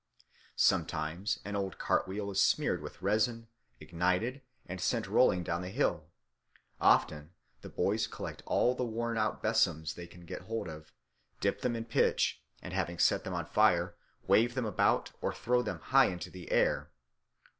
Sometimes an old cart wheel is smeared with resin, ignited, and sent rolling down the hill. Often the boys collect all the worn out besoms they can get hold of, dip them in pitch, and having set them on fire wave them about or throw them high into the air.